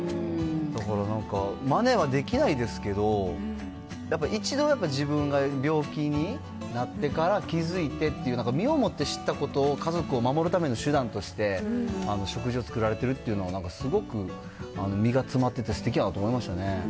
だからなんか、まねはできないですけど、やっぱり一度自分が病気になってから気付いてっていう、なんか身をもって知ったことを、家族を守るための手段として食事を作られているというの、なんかすごく身が詰まってて、すてきやなと思いましたね。